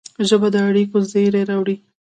ژبه د اړیکو زېری راوړي